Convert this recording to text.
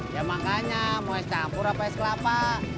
ya makanya mau es campur apa es kelapa